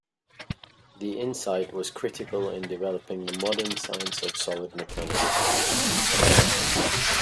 The insight was critical in developing the modern science of solid mechanics.